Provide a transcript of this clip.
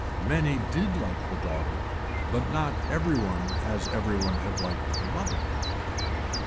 Many did like the daughter but not every one as every one had liked the mother.